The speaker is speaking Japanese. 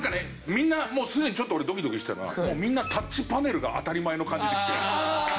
もうすでにちょっと俺ドキドキしてたのはもうみんなタッチパネルが当たり前の感じできてる。